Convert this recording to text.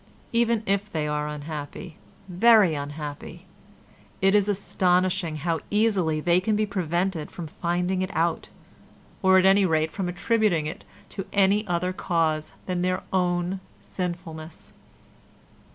Even if they are unhappy—very unhappy—it is astonishing how easily they can be prevented from finding it out, or at any rate from attributing it to any other cause than their own sinfulness.